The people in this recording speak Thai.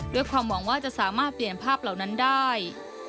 ด้วยความหวังว่าจะสามารถเปลี่ยนภาพเหล่านั้นได้